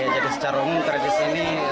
jadi secara umum tradisi ini